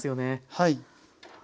はい。